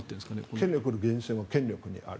権力の源泉は権力にある。